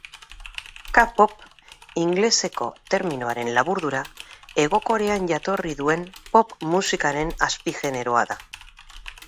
K-pop, ingeleseko terminoaren laburdura, Hego Korean jatorri duen pop musikaren azpi-generoa da.